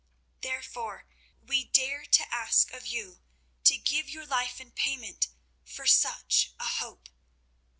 Therefore we dare to ask of you to give your life in payment for such a hope.